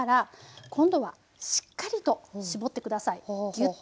ギュッと。